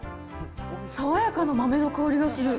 爽やかな豆の香りがする。